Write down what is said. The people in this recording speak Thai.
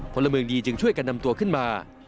พลเมืองดีจึงช่วยกันนำตัวขึ้นมา